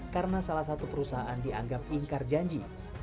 karena salah satu perusahaan dianggap ingkar janji